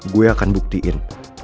gue akan buktiin